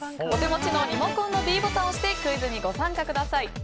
お手持ちのリモコンのｄボタンを押してクイズにご参加ください。